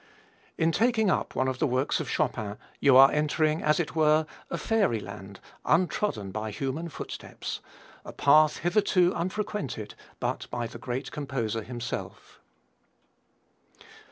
In taking up one of the works of Chopin you are entering, as it were, a fairyland untrodden by human footsteps a path hitherto unfrequented but by the great composer himself.